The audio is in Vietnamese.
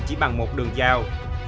chỉ bằng một đường dao